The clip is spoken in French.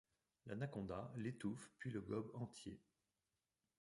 L’anaconda l’étouffe puis le gobe entier.